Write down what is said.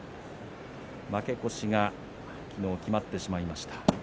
負け越しが昨日決まってしまいました。